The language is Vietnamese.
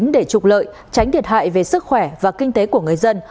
để trục lợi tránh thiệt hại về sức khỏe và kinh tế của người dân